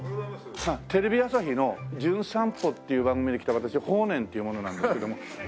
テレビ朝日の『じゅん散歩』っていう番組で来た私法然っていう者なんですけどもよろしく。